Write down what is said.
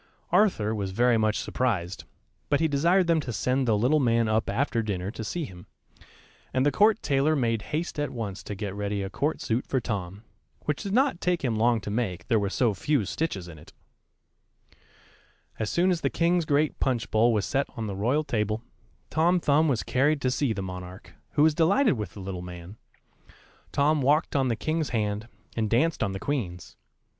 ] Arthur was very much surprised; but he desired them to send the little man up after dinner to see him, and the Court tailor made haste at once to get ready a Court suit for Tom, which did not take him long to make; there were so few stitches in it! [Illustration: KING ARTHUR RECEIVING TOM THUMB.] As soon as the king's great punch bowl was set on the royal table, Tom Thumb was carried to see the monarch, who was delighted with the little man. Tom walked on the King's hand, and danced on the Queen's.